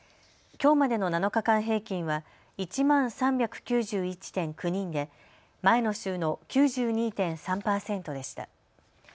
きょうまでの７日間平均は１万３９１．９人で前の週の９２．３％でした。